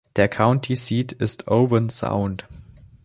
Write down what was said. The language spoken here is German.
Der County Seat ist Owen Sound.